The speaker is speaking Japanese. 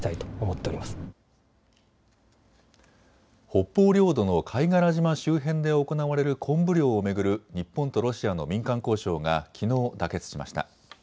北方領土の貝殻島周辺で行われるコンブ漁を巡る日本とロシアの民間交渉がきのう妥結しました。